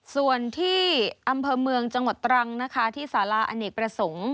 ส่วนที่อำเภอเมืองจังหวัดตรังนะคะที่สาราอเนกประสงค์